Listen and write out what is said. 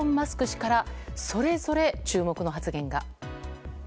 氏からそれぞれ注目の発言が。